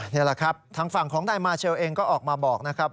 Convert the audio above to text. นี่แหละครับทางฝั่งของนายมาเชลเองก็ออกมาบอกนะครับ